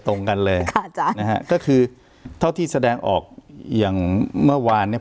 ตรงกันเลยค่ะอาจารย์นะฮะก็คือเท่าที่แสดงออกอย่างเมื่อวานเนี่ย